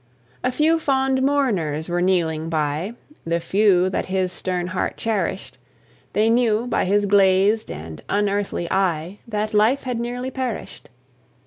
A few fond mourners were kneeling by, The few that his stern heart cherished; They knew, by his glazed and unearthly eye, That life had nearly perished.